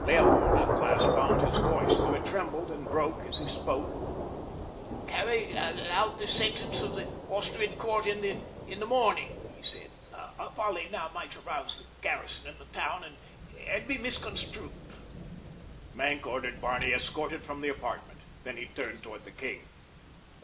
Leopold at last found his voice, though it trembled and broke as he spoke. "Carry out the sentence of the Austrian court in the morning," he said. "A volley now might arouse the garrison in the town and be misconstrued." Maenck ordered Barney escorted from the apartment, then he turned toward the king.